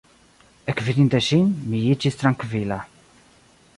Ekvidinte ŝin, mi iĝis trankvila.